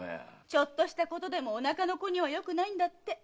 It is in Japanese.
ちょっとしたことでもお腹の子によくないんだって。